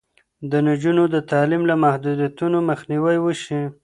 د نجونو د تعلیم له محدودیتونو مخنیوی وشي.